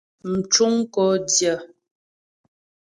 Mcuŋ kó dyə̂.